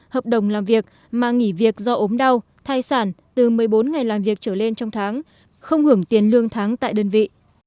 hợp đồng làm việc mà nghỉ việc do ốm đau thai sản từ một mươi bốn ngày làm việc trở lên trong tháng không hưởng tiền lương tháng tại đơn vị